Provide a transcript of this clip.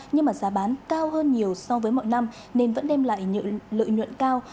nhưng mà giá bán cao hơn nhiều so với mọi năm nên vẫn đem lại lợi nhuận cao